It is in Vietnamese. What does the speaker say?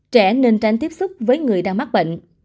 trẻ nên tránh tiếp xúc với người đang mắc bệnh